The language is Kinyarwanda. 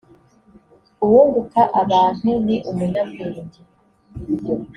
uwunguka abantu ni umunyabwenge